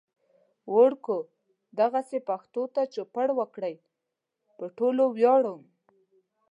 وړکو دغسې پښتو ته چوپړ وکړئ. پو ټولو وياړم